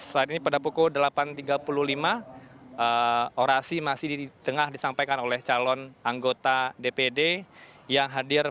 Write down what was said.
saat ini pada pukul delapan tiga puluh lima orasi masih di tengah disampaikan oleh calon anggota dpd yang hadir